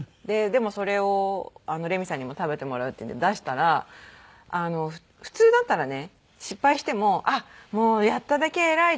でもそれをレミさんにも食べてもらうって出したら普通だったらね失敗しても「あっやっただけ偉い。